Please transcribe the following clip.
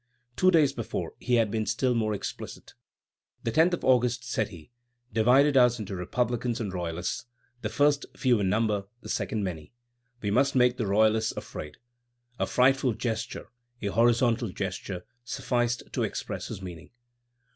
Two days before, he had been still more explicit. "The 10th of August," said he, "divided us into republicans and royalists; the first few in number, the second many...; we must make the royalists afraid." A frightful gesture, a horizontal gesture, sufficed to express his meaning.